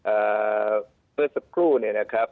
เมื่อสักครู่เนี่ยนะครับ